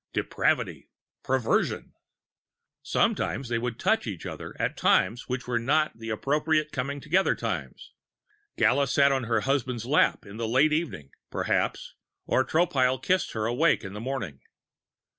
Depravity! Perversion! Sometimes they would touch each other at times which were not the appropriate coming together times, Gala sitting on her husband's lap in the late evening, perhaps, or Tropile kissing her awake in the morning.